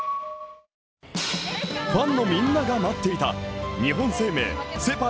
ファンのみんなが待っていた日本生命セ・パ